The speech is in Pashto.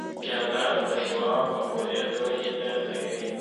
پیاله د دعا قبولېدو هیله لري